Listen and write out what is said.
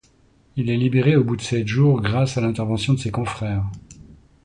Il est libéré au bout de sept jours grâce à l'intervention de ses confrères.